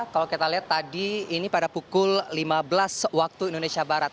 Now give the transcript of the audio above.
kalau kita lihat tadi ini pada pukul lima belas waktu indonesia barat